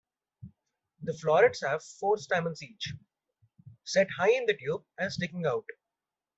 The florets have four stamens each, set high in the tube, and sticking out.